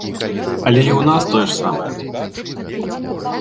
Але і ў нас тое ж самае.